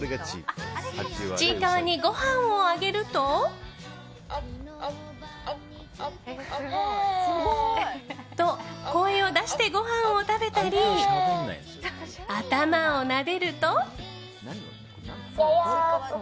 ちいかわに、ごはんをあげると。と、声を出してごはんを食べたり頭をなでると。